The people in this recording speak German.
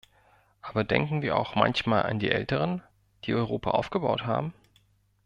Aber denken wir auch manchmal an die Älteren, die Europa aufgebaut haben?